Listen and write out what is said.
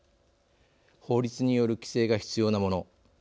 法律による規制が必要なもの